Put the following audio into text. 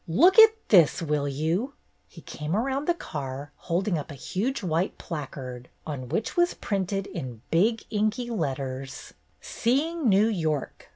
" Look at this, will you ?" He came around the car, holding up a huge white placard, on which was printed in big inky letters: SEEING NEW YORK!